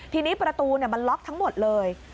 ทีนี้ประตูมันล็อกทั้งหมดเลย